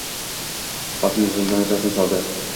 Xotini zimdan razm soldi